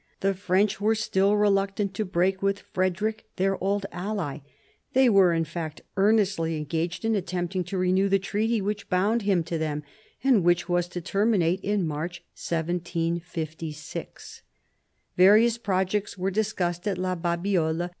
The French were still reluctant to break with Frederick, their old ally; they were, in fact, earnestly engaged in attempting to renew the treaty which bound him to them, and which was to terminate in March 1756. Various projects were discussed at La Babiole.